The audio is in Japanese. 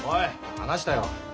話したよ。